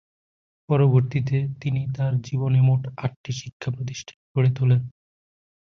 পরবর্তিতে তিনি তার জীবনে মোট আট টি শিক্ষা প্রতিষ্ঠান গড়ে তোলেন।